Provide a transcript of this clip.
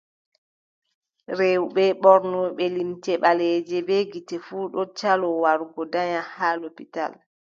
Rewɓe ɓornotooɓe limce ɓaleeje bee gite fuu ɗon caloo wargo danya haa lopital.